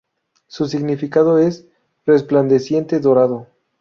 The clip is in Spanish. Su significado es "resplandeciente, dorado".